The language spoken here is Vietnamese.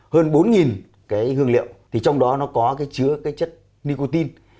hơn bốn cái hương liệu thì trong đó nó có cái chứa cái chất nicotine